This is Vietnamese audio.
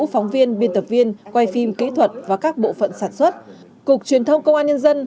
phóng viên biên tập viên quay phim kỹ thuật và các bộ phận sản xuất cục truyền thông công an nhân dân